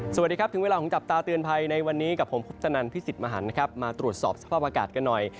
สวัสดีครับถึงเวลาของจับตาเตือนภัยในวันนี้กับผมคุปตนันพิสิทธิ์มหันนะครับมาตรวจสอบสภาพอากาศกันหน่อย